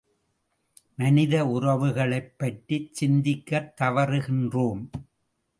மனித உறவுகளைப் பற்றிச் சிந்திக்கத் தவறுகின்றோம்.